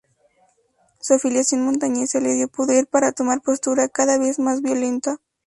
Su afiliación Montañesa le dio poder para tomar una postura cada vez más violenta.